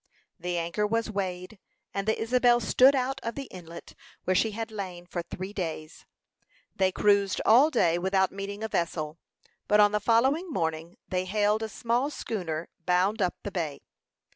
The anchor was weighed, and the Isabel stood out of the inlet where she had lain for three days. They cruised all day without meeting a vessel; but on the following morning they hailed a small schooner bound up the bay.